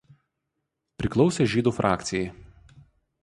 Priklausė žydų frakcijai.